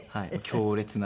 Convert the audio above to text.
強烈な。